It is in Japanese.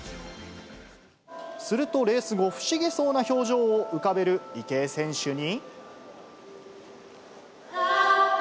するとレース後、不思議そうな表情を浮かべる池江選手に。